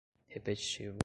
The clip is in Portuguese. repetitivos